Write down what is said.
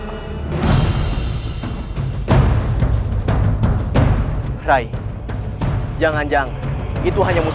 kau nggak yakin gue ada ratuje